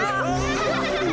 anak anak cukup aman bos